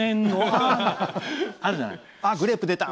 あるじゃない。